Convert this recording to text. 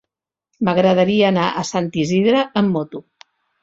M'agradaria anar a Sant Isidre amb moto.